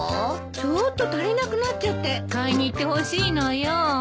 ちょっと足りなくなっちゃって買いに行ってほしいのよ。